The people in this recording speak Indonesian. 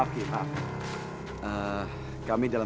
kepala kampung gds